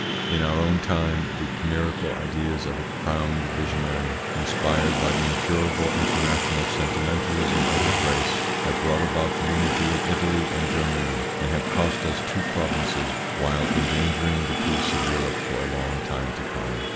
In our own time, the chimerical ideas of a crowned visionary, inspired by the incurable international sentimentalism of his race, have brought about the unity of Italy and Germany, and have cost us two provinces, while endangering the peace of Europe for a long time to come.